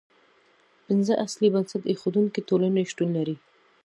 پنځه اصلي بنسټ ایښودونکې ټولنې شتون لري.